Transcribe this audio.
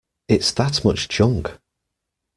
It's that much junk.